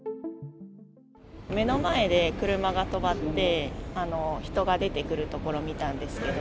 目の前で車が止まって、人が出てくるところ見たんですけど。